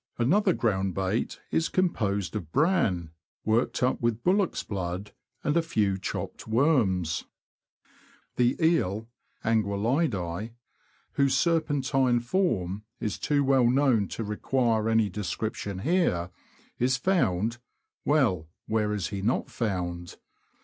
Another ground bait is composed of bran, worked up with bullock's blood and a few chopped worms. The Eel [Anguzllidise), whose serpentine form is too well known to require any description here, is found — well, where is he not found?